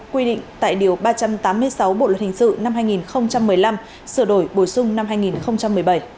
quy định tại điều ba trăm tám mươi sáu bộ luật hình sự năm hai nghìn một mươi năm sửa đổi bổ sung năm hai nghìn một mươi bảy